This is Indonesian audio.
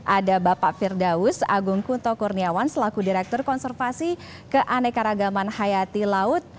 ada bapak firdaus agungkun tokurniawan selaku direktur konservasi keanekaragaman hayati laut